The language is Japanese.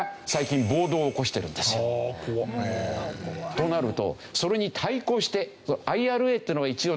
となるとそれに対抗して。